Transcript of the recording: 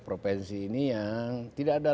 provinsi ini yang tidak ada